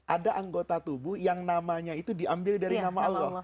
ada anggota tubuh yang namanya itu diambil dari nama allah